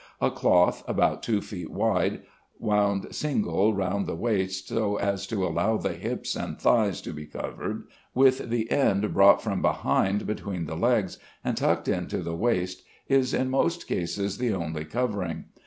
A cloth, about two feet wide, wound single round the waist so as to allow the hips and thighs to be covered, with the end brought from behind between the legs, and tucked in to the waist, is in most cases the only covering.